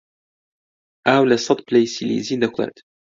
ئاو لە سەد پلەی سیلیزی دەکوڵێت.